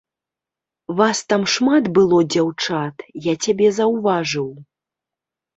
Вас там шмат было дзяўчат, я цябе заўважыў.